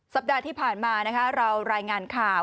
สัปดาห์ที่ผ่านมานะคะเรารายงานข่าว